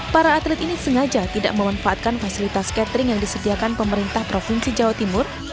para atlet ini sengaja tidak memanfaatkan fasilitas catering yang disediakan pemerintah provinsi jawa timur